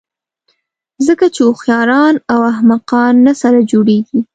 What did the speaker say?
ځکه چې هوښیاران او احمقان نه سره جوړېږي.